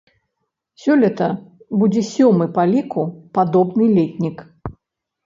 Сёлета будзе сёмы па ліку падобны летнік.